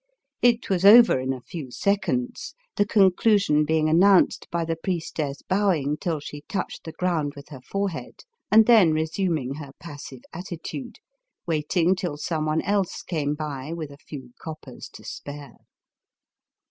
It was over in a few seconds, the conclusion being announced by the priestess bowing till she touched the ground with her forehead, and then resuming her passive atti tude, waiting till some one else came by with a few coppers to spare.